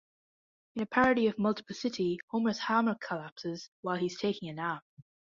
In a parody of "Multiplicity", Homer's hammock collapses while he is taking a nap.